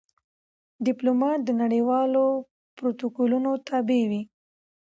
ډيپلومات د نړېوالو پروتوکولونو تابع وي.